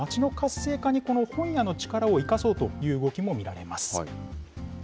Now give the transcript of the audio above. そしてもう一つ、街の活性化にこの本屋の力を生かそうという動きも見られます。